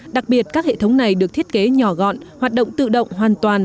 đặc biệt các hệ thống này được thiết kế nhỏ gọn hoạt động tự động hoàn toàn